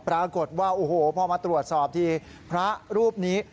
ปรากฏว่าโอ้โหพอมาตรวจสอบทีพระรูปนี้